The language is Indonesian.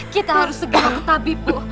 kita harus segera ke tabib ibu